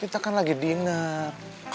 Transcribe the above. kita kan lagi dinner